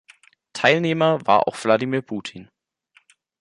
Teilnehmer war auch Wladimir Putin.